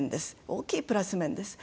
大きいプラス面です。